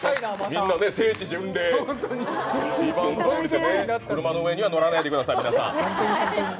みんな聖地巡礼、ＶＩＶＡＮＴ通りでも車の上には乗らないでください、皆さん。